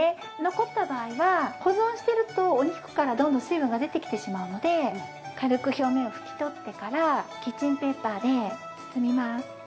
残った場合は保存しているとお肉からどんどん水分が出てきてしまうので軽く表面を拭き取ってからキッチンペーパーで包みます。